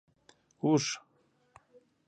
🐪 اوښ